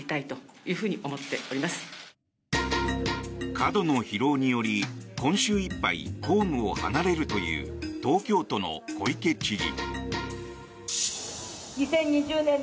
過度の疲労により今週いっぱい公務を離れるという東京都の小池知事。